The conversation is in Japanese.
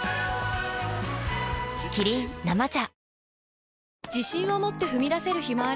キリン「生茶」